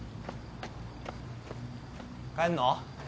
帰んの？